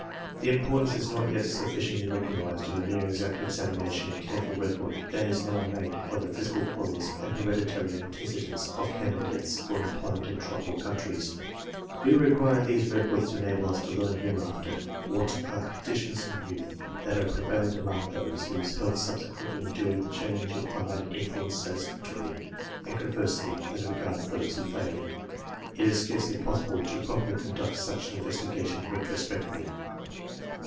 The importance is not yet sufficiently recognized of a more exact examina tion and careful record than is now made of the physical qualities and hereditary antecedents of candidates for em ployment in tropical countries. We require these records to enable us to learn hereafter what are the conditions in youth that are prevalent among those whose health sub sequently endured the change of climatic influence satis factorily, and conversely as regards those who failed. It is scarcely possible to properly conduct such an investigation retrospectively.